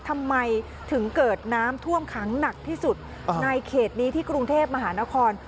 ทำไมถึงเกิดน้ำท่วมขังหนักที่สุดในเขตนี้ที่กรุงเทพมหานคร